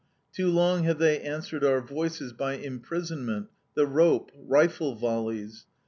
Too long have they answered our voices by imprisonment, the rope, rifle volleys.